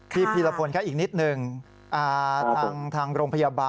พี่พฤผลอีกนิดนึง